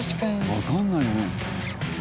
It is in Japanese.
わからないよね。